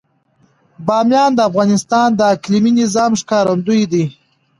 بامیان د افغانستان د اقلیمي نظام ښکارندوی ده.